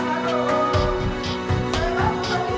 aku tidak mau